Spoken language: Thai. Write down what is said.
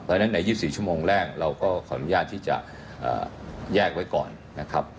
เพราะฉะนั้นใน๒๔ชั่วโมงแรกเราก็ขออนุญาตที่จะแยกไว้ก่อนนะครับ